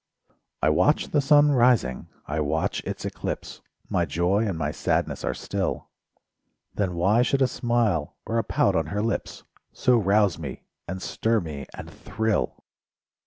I watch the sun rising, I watch its eclipse— My joy and my sadness are still; Then why should a smile or a pout on her lips So rouse me, and stir me, and thrill?